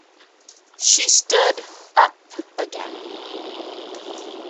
She stood up again.